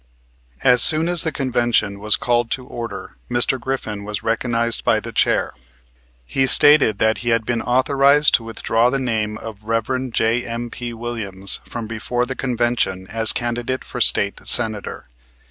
As soon as the convention was called to order Mr. Griffin was recognized by the chair. He stated that he had been authorized to withdraw the name of Rev. J.M.P. Williams from before the convention as candidate for State Senator.